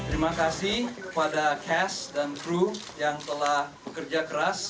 terima kasih kepada cash dan kru yang telah bekerja keras